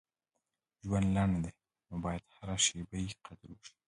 • ژوند لنډ دی، نو باید هره شیبه یې قدر وشي.